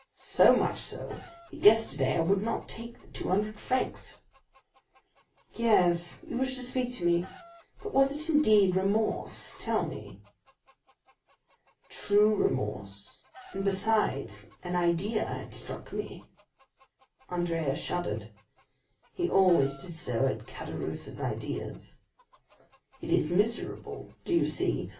"So much so, that yesterday I would not take the two hundred francs." "Yes, you wished to speak to me; but was it indeed remorse, tell me?" "True remorse; and, besides, an idea had struck me." Andrea shuddered; he always did so at Caderousse's ideas. "It is miserable—do you see?